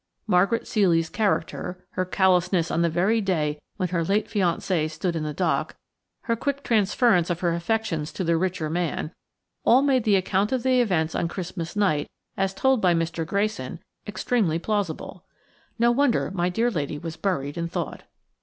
Margaret Ceely's character, her callousness on the very day when her late fiancé stood in the dock, her quick transference of her affections to the richer man, all made the account of the events on Christmas night as told by Mr. Grayson extremely plausible. No wonder my dear lady was buried in thought.